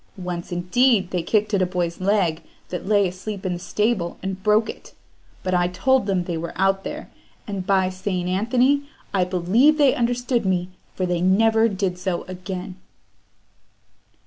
Once, indeed, they kicked at a boy's leg that lay asleep in the stable, and broke it; but I told them they were out there, and by St. Anthony! I believe they understood me, for they never did so again."